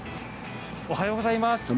おはようございます。